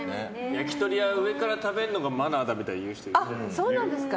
焼き鳥は上から食べるのがマナーだみたいにそうなんですか。